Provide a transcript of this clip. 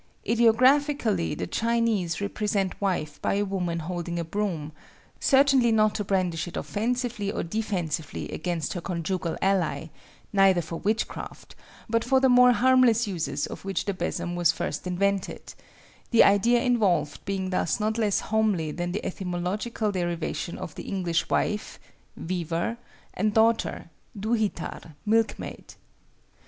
Ideographically the Chinese represent wife by a woman holding a broom—certainly not to brandish it offensively or defensively against her conjugal ally, neither for witchcraft, but for the more harmless uses for which the besom was first invented—the idea involved being thus not less homely than the etymological derivation of the English wife (weaver) and daughter (duhitar, milkmaid).